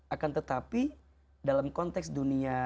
akan tetapi dalam konteks dunia